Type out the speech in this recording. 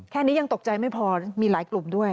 แค่นี้ยังตกใจไม่พอมีหลายกลุ่มด้วย